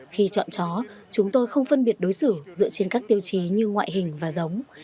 khi chọn chó chúng tôi không phân biệt đối xử dựa trên các tiêu chí như ngoại hình và giống